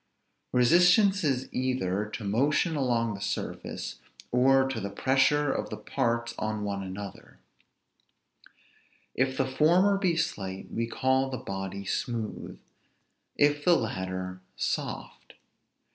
Resistance is either to motion along the surface, or to the pressure of the parts on one another: if the former be slight, we call the body smooth; if the latter, soft.